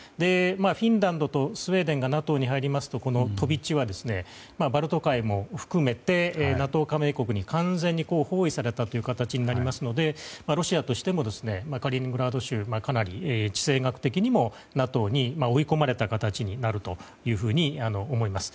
フィンランドとスウェーデンがＮＡＴＯに入りますと飛び地はバルト海も含めてＮＡＴＯ加盟国に完全に包囲された形になりますのでロシアとしてもカリーニングラード州かなり地政学的にもＮＡＴＯに追い込まれた形になるというふうに思います。